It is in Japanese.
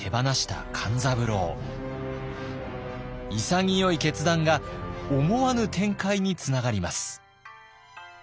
潔い決断が思わぬ展開につながります。